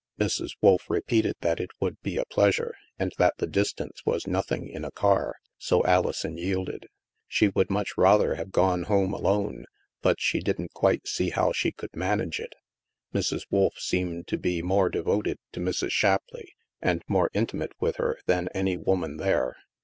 Mrs. Wolf repeated that it would be a pleasure, and that the distance was nothing in a car, so Ali son yielded. She would much rather have gone home alone, but she didn't quite see how she could manage it. Mrs. Wolf seemed to be more devoted to Mrs. Shapleigh, and more intimate with her, than Any woman there.